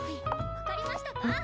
わかりましたか？